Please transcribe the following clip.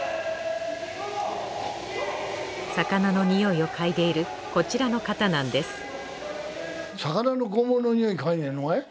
魚のニオイを嗅いでいるこちらの方なんです